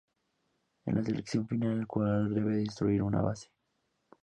En la sección final, el jugador debe destruir una "base".